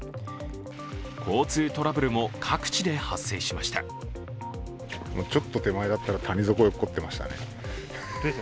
交通トラブルも各地で発生しました。